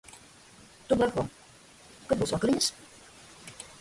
Tu blefo. Kad būs vakariņas?